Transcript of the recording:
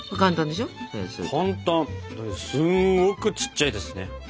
でもすんごくちっちゃいですね。